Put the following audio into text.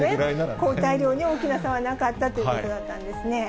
抗体量におおきなさはなかったということなんですね